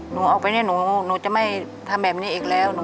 หนูออกไปเนี่ยหนูจะไม่ทำแบบนี้อีกแล้ว